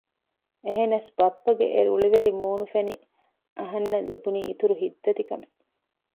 އެހެންނަސް ބައްޕަގެ އެ ރުޅިވެރި މޫނު ފެނި އަހަންނަށް ލިބުނީ އިތުރު ހިތްދަތިކަމެއް